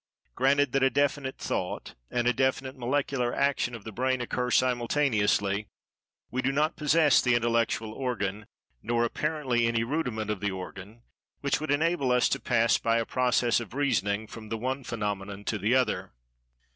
Granted that a definite thought and a definite molecular action of the brain occur simultaneously, we do not possess the intellectual organ, nor apparently any rudiment of the organ, which would enable us to pass by a process of reasoning from the one phenomenon to the other."